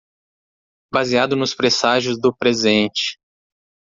Baseado nos presságios do presente.